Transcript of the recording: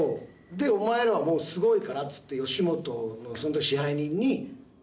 でお前らはすごいからっつって吉本のその時支配人に。